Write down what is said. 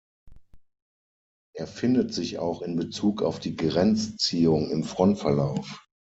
Er findet sich auch in Bezug auf die Grenzziehung im Frontverlauf.